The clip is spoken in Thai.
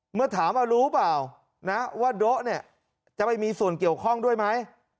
เมื่อถามว่ารู้เปล่านะว่าโด๊ะเนี่ยจะไปมีส่วนเกี่ยวข้องด้วยไหม